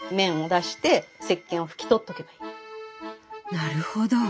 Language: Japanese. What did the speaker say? なるほど。